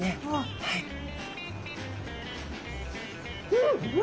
うん！